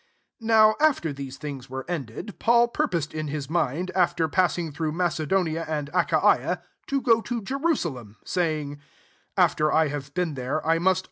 21 NOW after these things were ended, Paul purposed in his mind, after passing through Macedonia and Achaia, to go to Jerusalem, saying, " After I have been there, I must also see Rome."